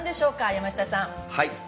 山下さん。